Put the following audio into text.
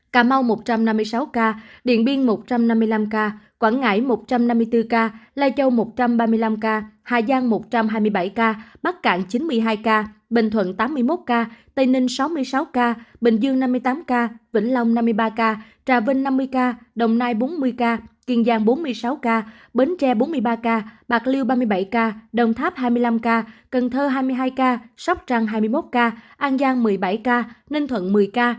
cà mau một trăm năm mươi sáu ca điện biên một trăm năm mươi năm ca quảng ngãi một trăm năm mươi bốn ca lai châu một trăm ba mươi năm ca hà giang một trăm hai mươi bảy ca bắc cạn chín mươi hai ca bình thuận tám mươi một ca tây ninh sáu mươi sáu ca bình dương năm mươi tám ca vĩnh long năm mươi ba ca trà vinh năm mươi ca đồng nai bốn mươi ca kiên giang bốn mươi sáu ca bến tre bốn mươi ba ca bạc liêu ba mươi bảy ca đồng tháp hai mươi năm ca cần thơ hai mươi hai ca sóc trăng hai mươi một ca an giang một mươi bảy ca ninh thuận một mươi ca